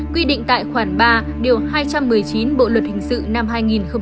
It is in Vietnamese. quy định tại khoản ba điều hai trăm một mươi chín bộ luật hình sự năm hai nghìn một mươi năm